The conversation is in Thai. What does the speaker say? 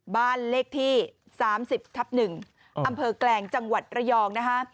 บ้านเลขที่๓๐ทับ๑อำเภอแกลงจังหวัดระยองนะคะ